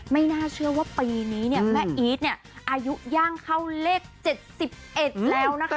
ไม่น่าเชื่อว่าปีนี้เนี่ยแม่อีทเนี่ยอายุย่างเข้าเลข๗๑แล้วนะคะ